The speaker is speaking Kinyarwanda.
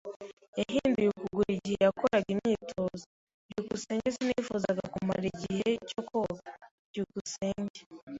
Yahinduye akaguru igihe yakoraga imyitozo. byukusenge Sinifuzaga kumara ikindi gihe cyo koga. byukusenge